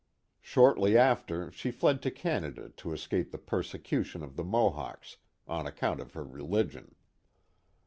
Shortly after, she fled to Canada to escape the persecution of the Mohawks, on account of her religion.